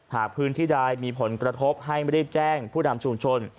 หากพื้นที่ใดมีผลกระทบให้ไม่ได้แจ้งผู้นำชุมชน